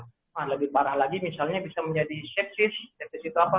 nah lebih parah lagi misalnya bisa menjadi seksis dan disitu apa